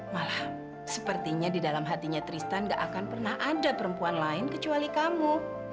malah sepertinya di dalam hatinya tristan gak akan pernah ada perempuan lain kecuali kamu